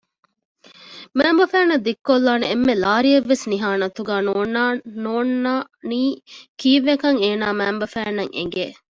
މައިންބަފައިންނަށް ދިއްކޮލާނެ އެންމެ ލާރިއެއްވެސް ނިހާން އަތުގާ ނޯންނަނީ ކީއްވެކަން އޭނާ މައިންބަފައިންނަށް އެނގެ